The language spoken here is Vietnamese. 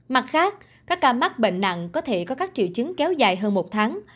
mặt khác các ca mắc bệnh nặng có thể có các triệu chứng kéo dài hơn một tháng